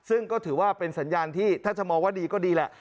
ซึ่งก็ถือว่าเป็นสัญญาณที่ถ้าจะมองว่าดีก็ดีแหละ